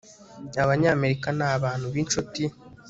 abanyamerika ni abantu b'inshuti